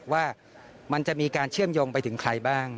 ว่ามันจะมีการเชื่อมโยงไปถึงใครบ้าง